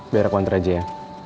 biar aku antar aja ya